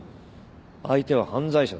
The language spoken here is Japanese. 相手は犯罪者だ。